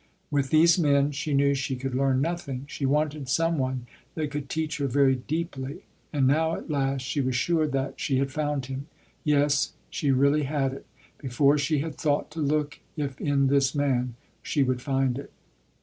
With these men, she knew she could learn nothing. She wanted some one that could teach her very deeply and now at last she was sure that she had found him, yes she really had it, before she had thought to look if in this man she would find it.